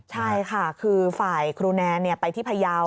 ใช่ค่ะคือฝ่ายครูแนนไปที่พยาว